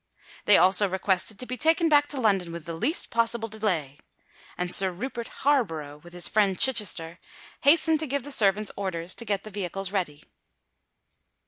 They also requested to be taken back to London with the least possible delay; and Sir Rupert Harborough, with his friend Chichester, hastened to give the servants orders to get the vehicles ready.